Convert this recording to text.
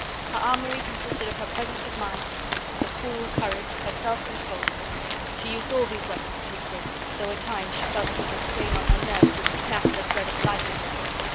Her armoury consisted of her presence of mind, her cool courage, her self control; she used all these weapons for his sake, though at times she felt as if the strain on her nerves would snap the thread of life in her.